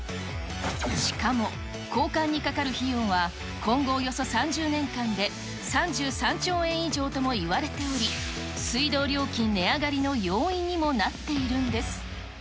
しかも、交換にかかる費用は今後およそ３０年間で３３兆円以上ともいわれており、水道料金値上がりの要因にもなっているんです。